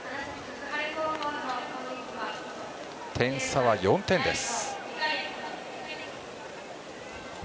点差は４点です。